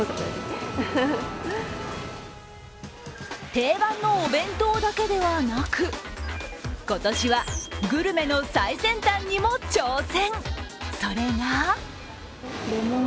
定番のお弁当だけではなく、今年はグルメの最先端にも挑戦。